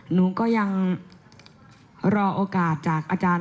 หนูก็ยังรอโอกาสจากอาจารย์